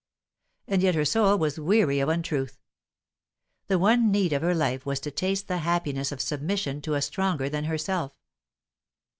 And yet her soul was weary of untruth. The one need of her life was to taste the happiness of submission to a stronger than herself.